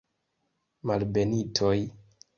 Malbenitoj!